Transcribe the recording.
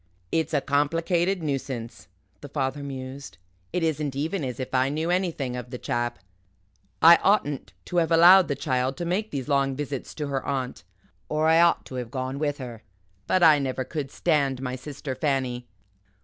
"It's a complicated nuisance," the father mused; "it isn't even as if I knew anything of the chap. I oughtn't to have allowed the child to make these long visits to her aunt. Or I ought to have gone with her. But I never could stand my sister Fanny.